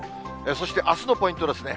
そしてあすのポイントですね。